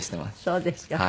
そうですか。